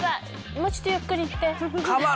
もうちょっとゆっくりいって。